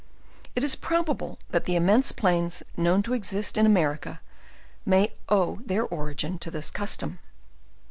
It is probable that the immense plains known to exist in A merica, may owe their origin to this custom.